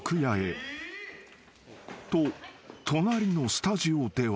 ［と隣のスタジオでは］